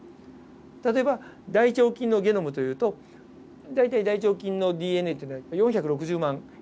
例えば大腸菌のゲノムというと大体大腸菌のＤＮＡっていうのは４６０万塩基対。